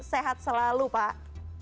sehat selalu pak